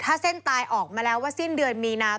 ถ้าเส้นตายออกมาแล้วว่าสิ้นเดือนมีนา